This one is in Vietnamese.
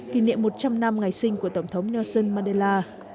kỷ niệm một trăm linh năm ngày sinh của tổng thống nelson madela